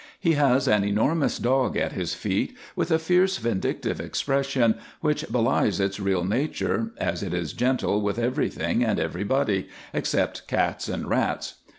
He has an enormous dog at his feet, with a fierce, vindictive expression, which belies its real nature, as it is gentle with everything and everybody, except cats and rats.